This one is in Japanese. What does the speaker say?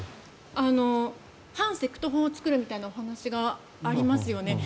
反セクト法を作るみたいなお話がありますよね。